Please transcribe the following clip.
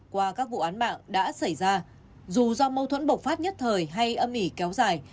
qua các vụ án mạng đã xảy ra dù do mâu thuẫn bộc phát nhất thời hay âm ỉ kéo dài